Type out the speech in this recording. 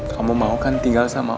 kamu mau kan tinggal sama